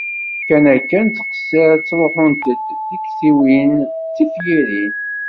Kan akka nettqeṣṣiṛ ttṛuḥunt-d tiktiwin d tefyirin!